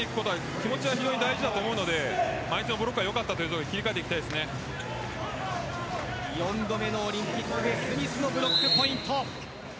気持ちが非常に大事だと思うので相手のブロックがよかったということで４度目のオリンピック出場スミスのブロックポイント。